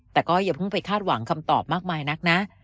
แต่ก็อย่าเพิ่งไปคาดหวังคำตอบมากมายนักนะ